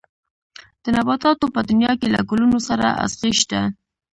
د نباتاتو په دنيا کې له ګلونو سره ازغي شته.